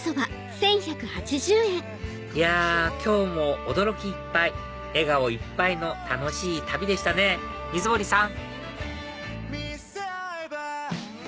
いや今日も驚きいっぱい笑顔いっぱいの楽しい旅でしたね水森さん！